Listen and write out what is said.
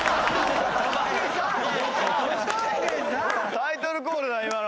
タイトルコールだ今の。